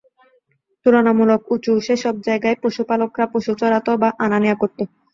তূলনামূলক উঁচু সেসব জায়গায় পশুপালকরা পশু চড়াতো বা আনা নেয়া করত।